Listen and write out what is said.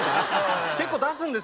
結構出すんですね。